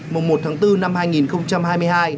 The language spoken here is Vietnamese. mùng một tháng bốn năm hai nghìn hai mươi hai